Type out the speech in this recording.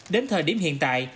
đến thời điểm hiện tại